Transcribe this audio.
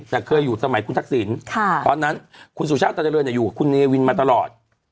แต่เคยอยู่สมัยคุณทักษิณตอนนั้นคุณสุชาติตาเจริญอยู่กับคุณเนวินมาตลอด